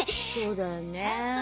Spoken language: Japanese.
そうだよね。